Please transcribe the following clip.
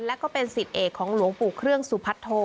และก็เป็นสิทธิเอกของหลวงปู่เครื่องสุพัทโท